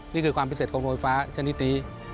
นี่คือความพิเศษของโรงไฟฟ้าชนิดนี้